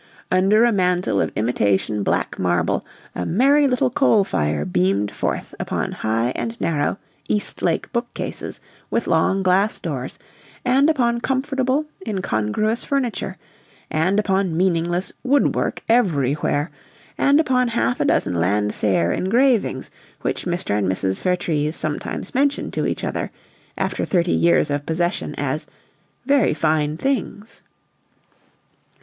Under a mantel of imitation black marble a merry little coal fire beamed forth upon high and narrow "Eastlake" bookcases with long glass doors, and upon comfortable, incongruous furniture, and upon meaningless "woodwork" everywhere, and upon half a dozen Landseer engravings which Mr. and Mrs. Vertrees sometimes mentioned to each other, after thirty years of possession, as "very fine things."